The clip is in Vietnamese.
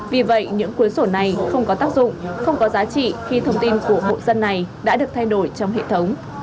vì vậy những cuốn sổ này không có tác dụng không có giá trị khi thông tin của hộ dân này đã được thay đổi trong hệ thống